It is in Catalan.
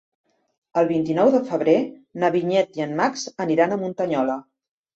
El vint-i-nou de febrer na Vinyet i en Max aniran a Muntanyola.